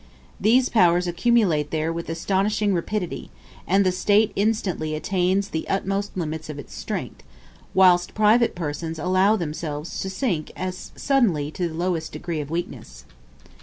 These powers accumulate there with astonishing rapidity, and the State instantly attains the utmost limits of its strength, whilst private persons allow themselves to sink as suddenly to the lowest degree of weakness.